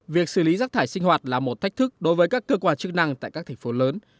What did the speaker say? việc xử lý rác thải sinh hoạt là một thách thức đối với các cơ quan chức năng tại các thành phố lớn